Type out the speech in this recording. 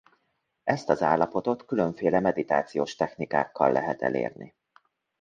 Ezt az állapotot különféle meditációs technikákkal lehet elérni.